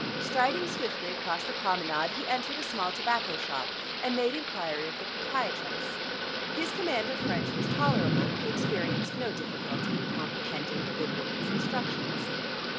Striding swiftly across the promenade, he entered a small tobacco shop and made inquiry of the proprietress. His command of French was tolerable; he experienced no difficulty in comprehending the good woman's instructions.